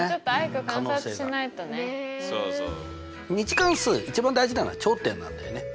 ２次関数一番大事なのは頂点なんだよね。